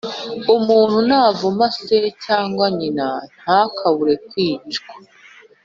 Umuntu navuma se cyangwa nyina ntakabure kwicwa